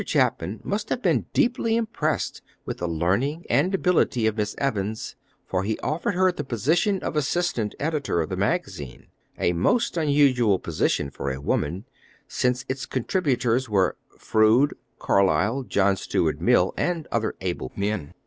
Chapman must have been deeply impressed with the learning and ability of Miss Evans, for he offered her the position of assistant editor of the magazine, a most unusual position for a woman, since its contributors were Froude, Carlyle, John Stuart Mill, and other able men.